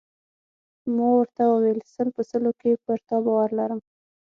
ما ورته وویل: سل په سلو کې پر تا باور لرم.